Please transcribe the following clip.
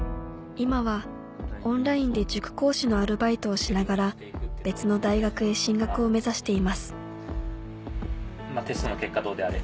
今はオンラインで塾講師のアルバイトをしながら別の大学へ進学を目指していますテストの結果はどうであれ